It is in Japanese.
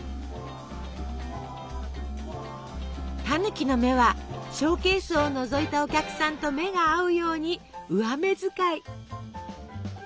たぬきの目はショーケースをのぞいたお客さんと目が合うように上目遣い。